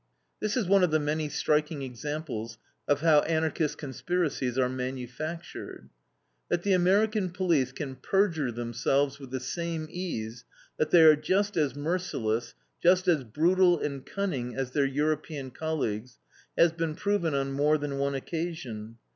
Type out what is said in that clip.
This is one of the many striking examples of how Anarchist conspiracies are manufactured. That the American police can perjure themselves with the same ease, that they are just as merciless, just as brutal and cunning as their European colleagues, has been proven on more than one occasion.